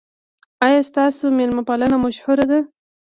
ایا ستاسو میلمه پالنه مشهوره ده؟